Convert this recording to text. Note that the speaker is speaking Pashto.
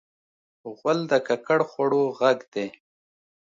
غول د ککړ خوړو غږ دی.